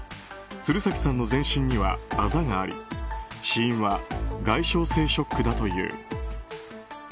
鶴崎さんの全身にはあざがあり死因は外傷性ショックだという。